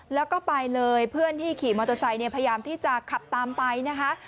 แล้วก็ไปเลยเพื่อนที่ขี่มอเตอร์ไซค์เนี่ยพยายามที่จะขับตามไปนะคะ